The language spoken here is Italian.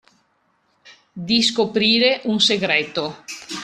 Di scoprire un segreto.